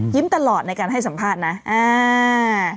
ตลอดในการให้สัมภาษณ์นะอ่า